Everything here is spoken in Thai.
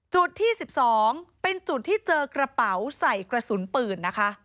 จุดที่๑๒เป็นจุดที่เจอกระเป๋าใส่กระสุนปืนนะคะ